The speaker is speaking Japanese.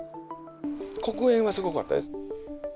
黒煙はすごかったです。